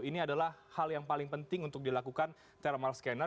ini adalah hal yang paling penting untuk dilakukan thermal scanner